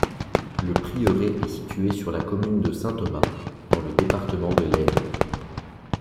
Le prieuré est situé sur la commune de Saint-Thomas, dans le département de l'Aisne.